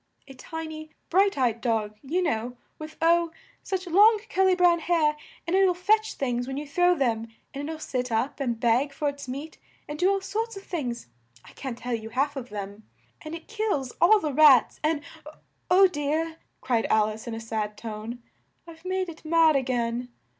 A ti ny bright eyed dog, you know, with oh! such long cur ly brown hair! And it'll fetch things when you throw them, and it'll sit up and beg for its meat and do all sorts of things I can't tell you half of them. And it kills all the rats, and m oh dear!" cried Al ice in a sad tone, "I've made it mad a gain!"